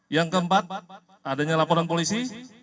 yang keempat adanya laporan polisi